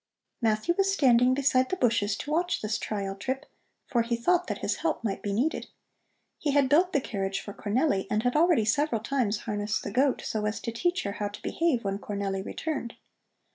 Matthew was standing beside the bushes to watch this trial trip, for he thought that his help might be needed. He had built the carriage for Cornelli and had already several times harnessed the goat so as to teach her how to behave when Cornelli returned.